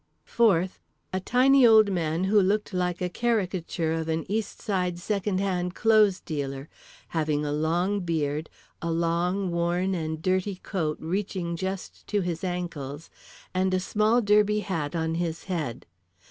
Fourth, a tiny old man who looked like a caricature of an East Side second hand clothes dealer—having a long beard, a long, worn and dirty coat reaching just to his ankles, and a small derby hat on his head.